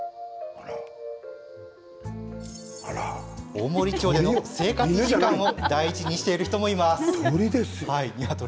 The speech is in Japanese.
大森町での生活時間を大事にしている人もいます。